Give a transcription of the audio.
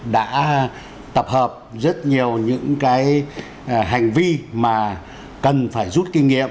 đã tập hợp rất nhiều những cái hành vi mà cần phải rút kinh nghiệm và lên án